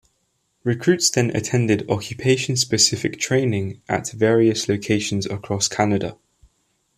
Recruits then attend occupation-specific training at various locations across Canada.